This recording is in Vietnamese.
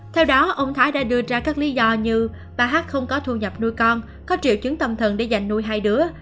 theo đó ông thái đã đưa ra các lý do như bà hát không có thu nhập nuôi con có triệu chứng tâm thần để giành nuôi hai đứa